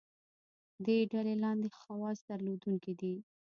دې ډلې لاندې خواص درلودونکي دي.